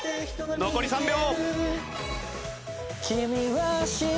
残り３秒。